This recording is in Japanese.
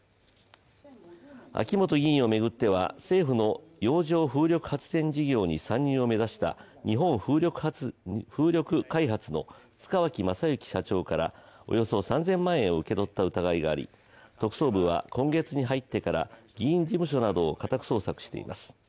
秋本議員を巡っては政府の洋上風力発電事業に参入を目指した日本風力開発の塚脇正幸社長からおよそ３０００万円を受け取った疑いがあり特捜部は今月に入ってから議員事務所などを家宅捜索しています。